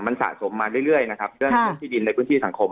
มันสะสมมาเรื่อยด้วยพวกที่ดินและพวกที่สังคม